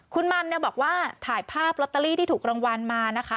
คุณมัมเนี่ยบอกว่าถ่ายภาพลอตเตอรี่ที่ถูกรางวัลมานะคะ